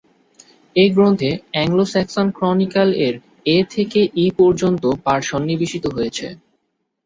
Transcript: এই গ্রন্থে "অ্যাংলো-স্যাক্সন ক্রনিকল"-এর এ থেকে ই পর্যন্ত পাঠ সন্নিবেশিত হয়েছে।